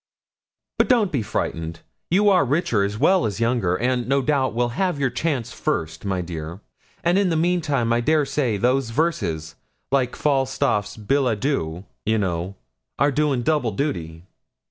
'But don't be frightened: you are richer as well as younger; and, no doubt, will have your chance first, my dear; and in the meantime, I dare say, those verses, like Falstaff's billet doux, you know, are doing double duty.'